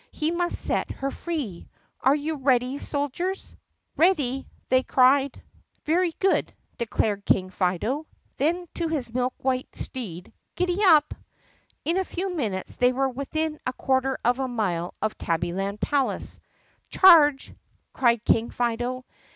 He must set her free. Are you ready, soldiers?" "Ready!" they cried. THE PUSSYCAT PRINCESS 134 "Very good!" declared King Fido. Then to his milk white steed, "Giddap!" In a few minutes they were within a quarter of a mile of Tabbyland Palace. "Charge!" cried King Fido.